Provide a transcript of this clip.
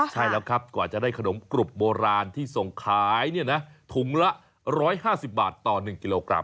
ใช่แล้วครับกว่าจะได้ขนมกรุบโบราณที่ส่งขายถุงละ๑๕๐บาทต่อ๑กิโลกรัม